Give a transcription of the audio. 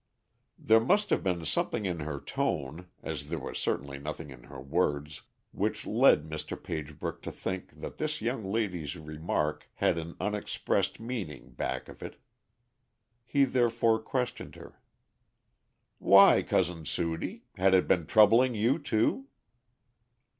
There must have been something in her tone, as there was certainly nothing in her words, which led Mr. Pagebrook to think that this young lady's remark had an unexpressed meaning back of it. He therefore questioned her. "Why, Cousin Sudie? had it been troubling you too?"